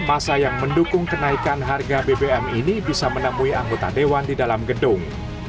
masa yang mendukung kenaikan harga bbm ini bisa menemui anggota dewan di dalam gedung